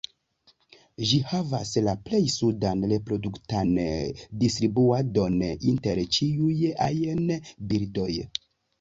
Ĝi havas la plej sudan reproduktan distribuadon inter ĉiuj ajn birdoj.